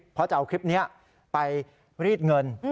เพราะจะเอาคลิปนี้ไปรีดเงิน